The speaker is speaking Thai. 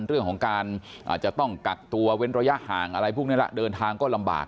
เรื่องของการจะต้องกักตัวเว้นระยะห่างอะไรพวกนี้ละเดินทางก็ลำบาก